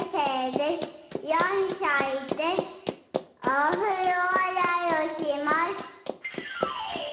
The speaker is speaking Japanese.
おふろあらいをします。